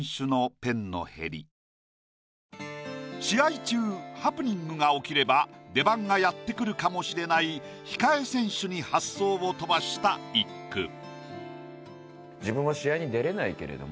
試合中ハプニングが起きれば出番がやってくるかもしれない控え選手に発想を飛ばした一句。